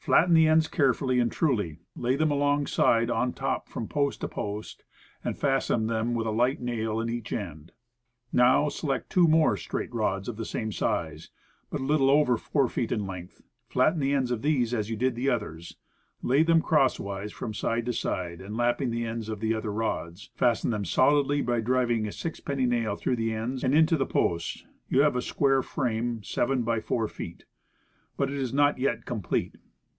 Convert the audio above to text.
Flatten the ends carefully and truly, lay them along side on top from post to post, and fasten them with a light nail at each end. Now, select two more straight rods of the same size, but a little over 4 feet in length; flatten the ends of these as you did the others, lay them crosswise from side to side, and lapping the ends of the other rods; fasten them solidly by driving a sixpenny nail through the ends and into the posts, and you have a square frame 7x4 feet. But it is not yet complete.